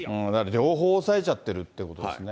情報を押さえちゃってるってことですね。